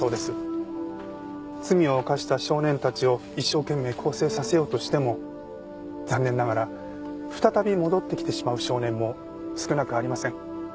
罪を犯した少年たちを一生懸命更生させようとしても残念ながら再び戻ってきてしまう少年も少なくありません。